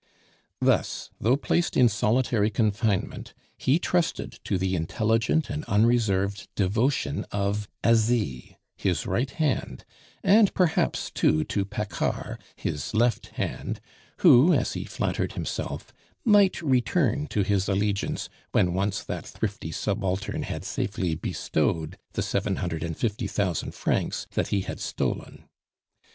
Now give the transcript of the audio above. Thus, though placed in solitary confinement, he trusted to the intelligent and unreserved devotion of Asie, his right hand, and perhaps, too, to Paccard, his left hand, who, as he flattered himself, might return to his allegiance when once that thrifty subaltern had safely bestowed the seven hundred and fifty thousand francs that he had stolen.